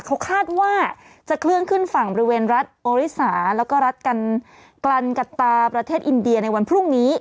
เขาคาดว่าจะเคลื่อนขึ้นฝั่งบริเวณรัฐโอริสาแล้วก็รัฐกลันกัปตาประเทศอินเดียในวันพรุ่งนี้